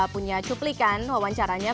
punya cuplikan wawancaranya